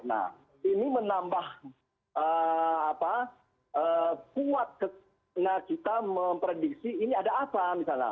nah ini menambah kuat karena kita memprediksi ini ada apa misalnya